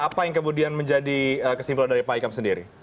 apa yang kemudian menjadi kesimpulan dari pak ikam sendiri